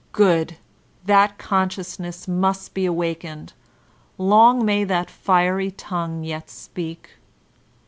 Good ! That conscious ness must be awakened. Long may that fiery tongue yet speak.